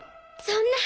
そんな！